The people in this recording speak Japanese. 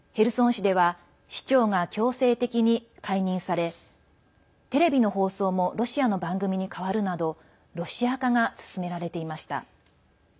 市では市長が強制的に解任されテレビの放送もロシアの番組に変わるなどロシア化が進められていました。